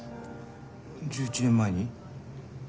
１１年前に？